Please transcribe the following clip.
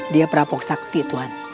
dia prapok sakti tuhan